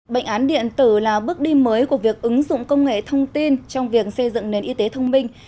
bệnh án điện tử là bước đi mới của việc ứng dụng công nghệ thông tin trong việc xây dựng nền y tế thông minh